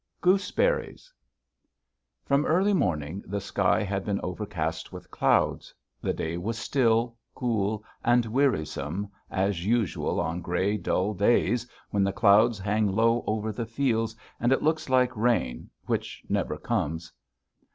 GOOSEBERRIES From early morning the sky had been overcast with clouds; the day was still, cool, and wearisome, as usual on grey, dull days when the clouds hang low over the fields and it looks like rain, which never comes.